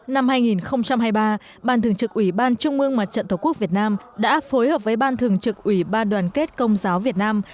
năm hai nghìn hai mươi ba ban thường trực ủy ban trung ương mặt trận tổ quốc việt nam đã phối hợp với ban thường trực ủy ban đoàn kết công giáo việt nam